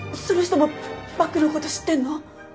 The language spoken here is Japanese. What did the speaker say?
その人もバッグのこと知ってんの？